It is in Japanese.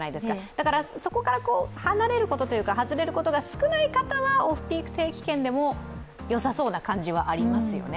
だから、そこから外れることが少ない方はオフピーク定期券でもよさそうな感じはありますよね。